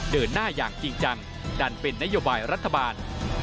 เดินหน้าอย่างจริงจังดันเป็นนโยบายรัฐบาล